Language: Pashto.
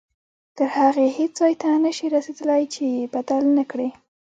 تر هغې هیڅ ځای ته نه شئ رسېدلی چې یې بدل نه کړئ.